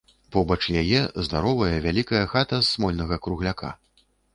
Побач яе здаровая, вялікая хата з смольнага кругляка.